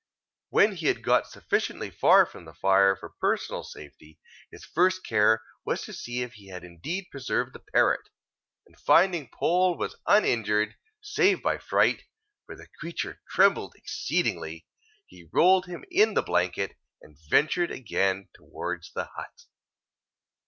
When he had got sufficiently far from the fire for personal safety, his first care was to see if he had indeed preserved the parrot; and finding Poll was uninjured, save by fright (for the creature trembled exceedingly), he rolled him in the blanket, and ventured again towards the hut.